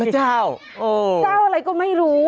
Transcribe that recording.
เจ้าเจ้าอะไรก็ไม่รู้